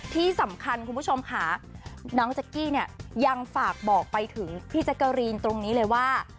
ที่สำคัญคุณผู้ชมค่ะน้องแจ๊กกี้เนี่ยยังฝากบอกไปถึงพี่แจ๊กกะรีนตรงนี้เลยว่า